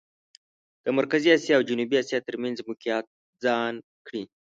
د مرکزي اسیا او جنوبي اسیا ترمېنځ موقعیت ځان کړي.